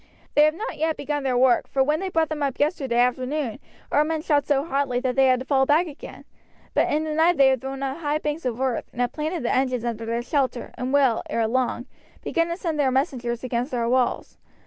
They have not yet begun their work, for when they brought them up yesterday afternoon our men shot so hotly that they had to fall back again; but in the night they have thrown up high banks of earth, and have planted the engines under their shelter, and will, ere long, begin to send their messengers against our walls.